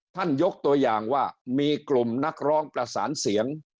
ยกตัวอย่างว่ามีกลุ่มนักร้องประสานเสียง